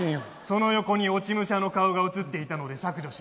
その横に落ち武者の顔が写っていたので削除しました。